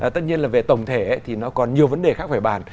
tất nhiên là về tổng thể thì nó còn nhiều vấn đề khác phải bàn